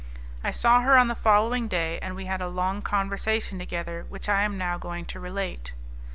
I saw her on the following day, and we, had a long conversation together, which I am now going to relate.